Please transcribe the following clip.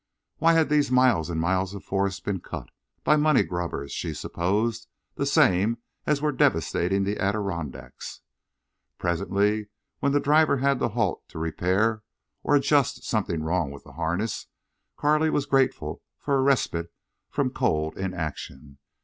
Why had these miles and miles of forest been cut? By money grubbers, she supposed, the same as were devastating the Adirondacks. Presently, when the driver had to halt to repair or adjust something wrong with the harness, Carley was grateful for a respite from cold inaction.